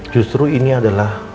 justru ini adalah